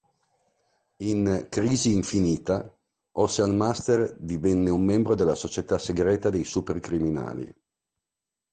In "Crisi infinita", Ocean Master divenne un membro della Società segreta dei super criminali.